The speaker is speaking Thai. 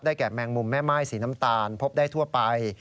แก่แมงมุมแม่ม่ายสีน้ำตาลพบได้ทั่วไป